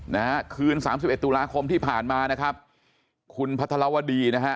นะฮะคืนสามสิบเอ็ดตุลาคมที่ผ่านมานะครับคุณพัทรวดีนะฮะ